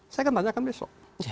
saya akan tanyakan besok